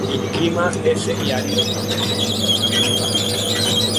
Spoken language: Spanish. El clima es semiárido con precipitaciones muy bajas.